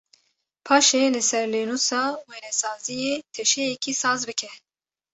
Paşê li ser lênûsa wênesaziyê teşeyekî saz bike.